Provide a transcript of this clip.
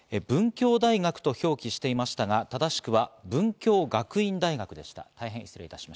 文教大学と表記していましたが正しくは文京学院大学でした。